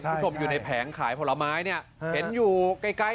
คุณผู้ชมอยู่ในแผงขายผลไม้เนี่ยเห็นอยู่ไกล